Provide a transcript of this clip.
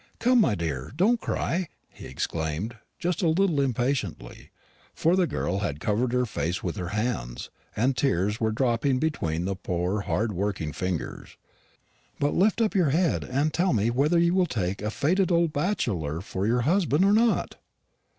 Come, my dear, don't cry," he exclaimed, just a little impatiently for the girl had covered her face with her hands, and tears were dropping between the poor hard working fingers "but lift up your head and tell me whether you will take a faded old bachelor for your husband or not."